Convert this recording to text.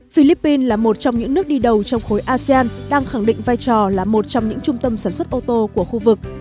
philippines là một trong những nước đi đầu trong khối asean đang khẳng định vai trò là một trong những trung tâm sản xuất ô tô của khu vực